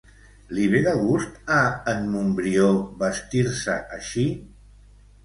Li ve de gust a en Montbrió vestir-se així?